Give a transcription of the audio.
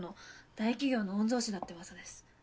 大企業の御曹司だってうわさです。